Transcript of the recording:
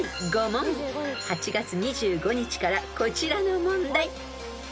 ［８月２５日からこちらの問題］